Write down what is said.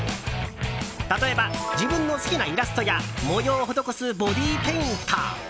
例えば、自分の好きなイラストや模様を施すボディーペイント。